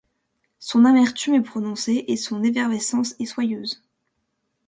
Son amertume est prononcée et son effervescence est soyeuse.